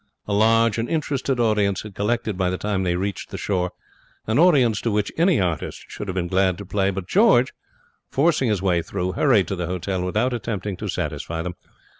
A large and interested audience had collected by the time they reached the shore, an audience to which any artist should have been glad to play; but George, forcing his way through, hurried to the hotel without attempting to satisfy them.